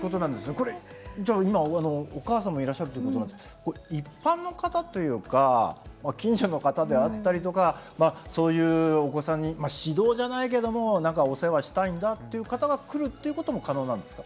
これじゃあお母さんもいらっしゃるということなんですけどこれ一般の方というか近所の方であったりとかそういうお子さんに指導じゃないけどもお世話したいんだっていう方が来るっていうことも可能なんですか？